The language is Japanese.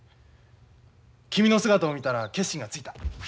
君の姿を見たら決心がついた。